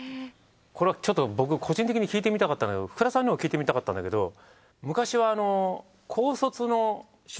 これちょっと僕個人的に聞いてみたかったんだけど福田さんにも聞いてみたかったんだけど。